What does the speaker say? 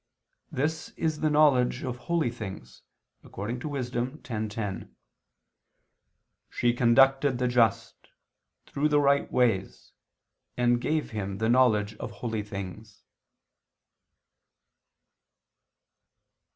This is the knowledge of holy things, according to Wis. 10:10: "She conducted the just ... through the right ways ... and gave him the knowledge of holy things."